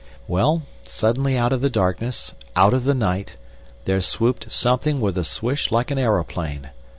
Well, suddenly out of the darkness, out of the night, there swooped something with a swish like an aeroplane.